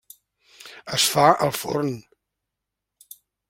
Es fa al forn.